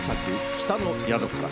『北の宿から』。